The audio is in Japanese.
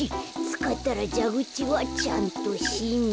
つかったらじゃぐちはちゃんとしめてと。